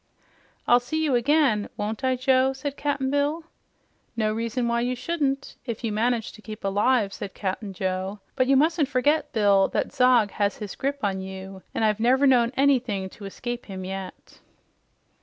"I'll see you again, won't I, Joe?" said Cap'n Bill. "No reason why you shouldn't, if you manage to keep alive," said Cap'n Joe. "But you mustn't forget, Bill, this Zog has his grip on you, an' I've never known anything to escape him yet."